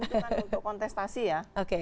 itu kan untuk kontestasi ya